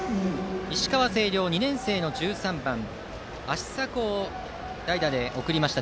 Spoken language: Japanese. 石川・星稜、２年生の１３番芦硲を代打に送りました。